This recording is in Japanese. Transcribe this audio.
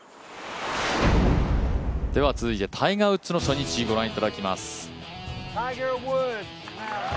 では続いてタイガー・ウッズの初日をご覧いただきます。